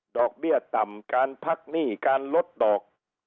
เบี้ยต่ำการพักหนี้การลดดอก